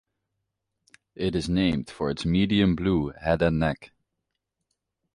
It is named for its medium-blue head and neck.